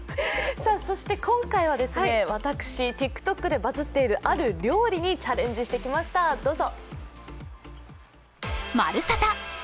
そして今回は私、ＴｉｋＴｏｋでバズっているある料理にチャレンジしてきました、どうぞ。